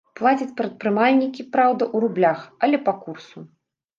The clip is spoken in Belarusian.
Плацяць прадпрымальнікі, праўда, у рублях, але па курсу.